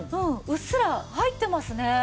うっすら入ってますね。